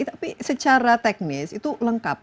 tapi secara teknis itu lengkap